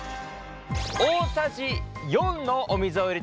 大さじ４のお水を入れていきます。